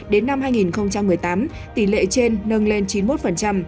đến năm hai nghìn một mươi tám tỷ lệ trên nâng lên chín mươi một